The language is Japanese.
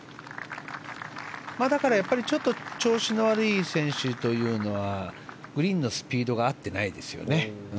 だから、やっぱりちょっと調子の悪い選手はグリーンのスピードが合ってないですよね。